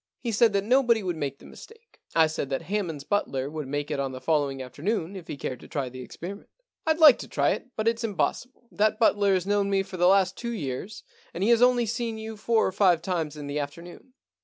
He said that nobody would make the mistake. I said that Hammond's butler would make it on the following after noon, if he cared to try the experiment. *" rd like to try it, but it's impossible. That butler has known me for the last two years, and he has only seen you four or five times in the afternoon.